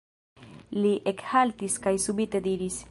Li ekhaltis kaj subite diris: